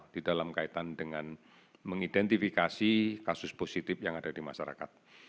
di dalam kaitan dengan mengidentifikasi kasus positif yang ada di masyarakat